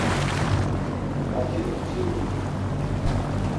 Mati odziru minon.